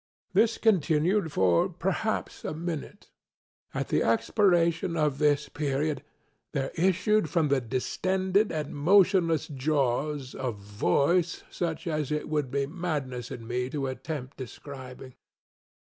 This continued for perhaps a minute. At the expiration of this period, there issued from the distended and motionless jaws a voiceŌĆösuch as it would be madness in me to attempt describing.